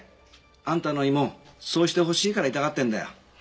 あんたの胃もそうしてほしいから痛がってんだよ。